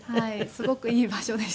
すごくいい場所でした。